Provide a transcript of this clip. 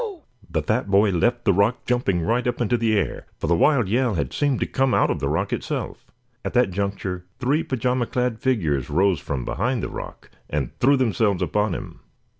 "Yeow!" The fat boy left the rock, jumping right up into the air, for the wild yell had seemed to come out of the rock itself. At that juncture three pajama clad figures rose from behind the rock and threw themselves upon him.